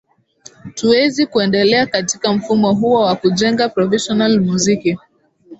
tuwezi kuendelea katika mfumo huo wa kujenga provincial muziki